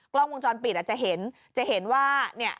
กล้องวงจรปิดจะเห็นว่า